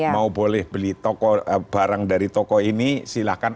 mau boleh beli barang dari toko ini silahkan